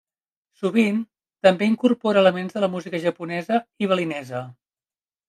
Sovint també incorpora elements de la música japonesa i balinesa.